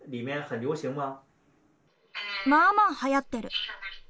まあまあ、はやってる。